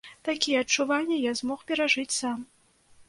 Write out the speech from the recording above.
Такія адчуванні я змог перажыць сам.